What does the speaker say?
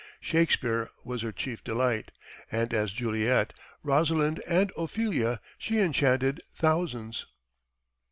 Shakespeare was her chief delight, and as Juliet, Rosalind and Ophelia she enchanted thousands.